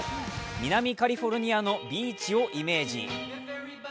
南カリフォルニアのビーチをイメージ。